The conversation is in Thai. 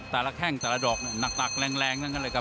แต่ละแข้งแต่ละดอกหนักตากแรงนั่นกันเลยครับ